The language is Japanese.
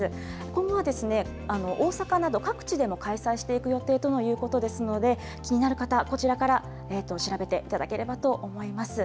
今後は大阪など、各地でも開催していく予定とのことですので、気になる方、こちらから調べていただければと思います。